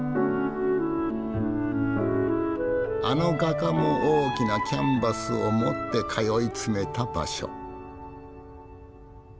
あの画家も大きなキャンバスを持って通い詰めた場所。